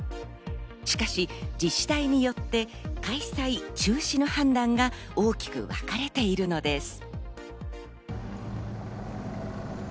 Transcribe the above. しかし、自治体によって開催・中止の判断が大きくわかれているのです。